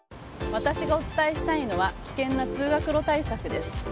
私がお伝えしたいのは危険な通学路対策です。